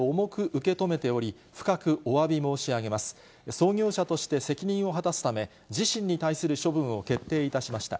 創業者として責任を果たすため、自身に対する処分を決定した。